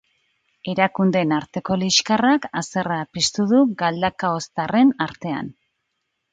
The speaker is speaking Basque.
Erakundeen arteko liskarrak haserrea piztu du galdakaoztarren artean.